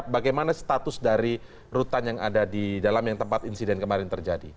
bagaimana status dari rutan yang ada di dalam yang tempat insiden kemarin terjadi